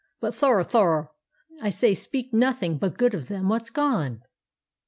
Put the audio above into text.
But thur, thur, I say speak nothing but good of them what's gone."